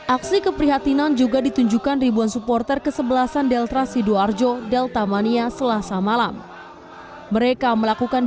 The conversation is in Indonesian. aksi keprihatinan juga ditunjukkan ribuan supporter kesebelasan delta sidoarjo delta mania selasa malam mereka melakukan